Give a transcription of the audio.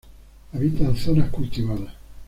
Habita en zonas cultivadas.